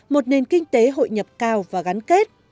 một nền kinh tế hội nhập cao và gắn kết